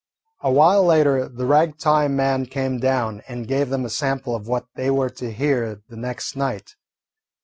Awhile later the "Rag time" man came down and gave them a sample of what they were to hear the next night.